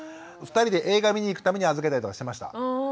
２人で映画見にいくために預けたりとかしてました。